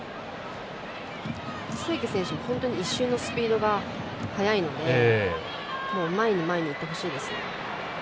清家選手も一瞬のスピードが速いので前に前にいってほしいですね。